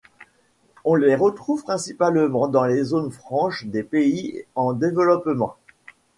On les retrouve principalement dans les zones franches des pays en développement.